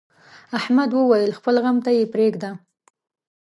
احمد وويل: خپل غم ته یې پرېږده.